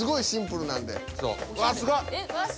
わっすごっ！